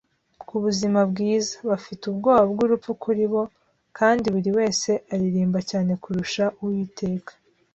kubuzima bwiza, bafite ubwoba bwurupfu kuri bo, kandi buriwese aririmba cyane kurusha Uwiteka